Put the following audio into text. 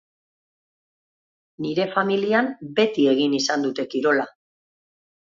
Nire familian beti egin izan dute kirola.